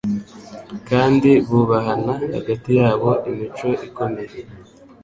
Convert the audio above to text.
kandi bubahana hagati yabo imico ikomeye